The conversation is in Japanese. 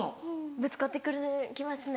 ぶつかって来る来ますね。